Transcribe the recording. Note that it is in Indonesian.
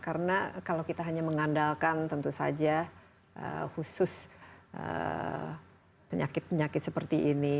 karena kalau kita hanya mengandalkan tentu saja khusus penyakit penyakit seperti ini